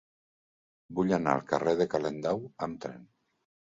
Vull anar al carrer de Calendau amb tren.